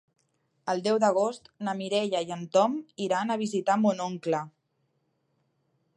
El deu d'agost na Mireia i en Tom iran a visitar mon oncle.